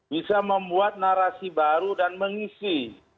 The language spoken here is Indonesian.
bisa membuat narasi baru dan mengisi